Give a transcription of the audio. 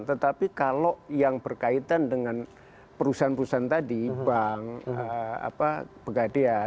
tetapi kalau yang berkaitan dengan perusahaan perusahaan tadi bank pegadean